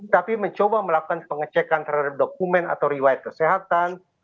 tapi mencoba melakukan pengecekan terhadap dokumen atau riwayat kesehatan